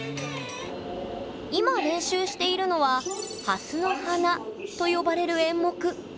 今練習しているのは「ハスの花」と呼ばれる演目。